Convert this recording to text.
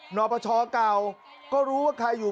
อปชเก่าก็รู้ว่าใครอยู่